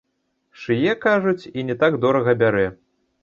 Шые, кажуць, і не так дорага бярэ.